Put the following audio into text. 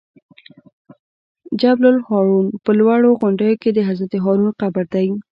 د جبل الهارون په لوړو غونډیو کې د حضرت هارون قبر دی.